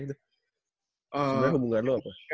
sebenernya hubungan lu apa